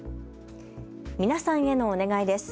皆さんへのお願いです。